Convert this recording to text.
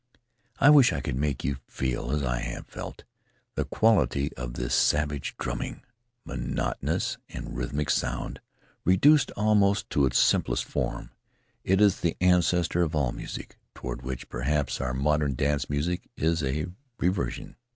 I wish I could make you feel, as I have felt, the quality of this savage drumming. Monotonous and rhythmic sound, reduced almost to its simplest form, it is the ancestor of all music, toward which, perhaps, our modern dance music is a reversion.